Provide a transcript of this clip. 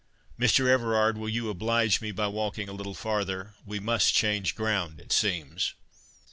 —Mr. Everard, will you oblige me by walking a little farther?—We must change ground, it seems."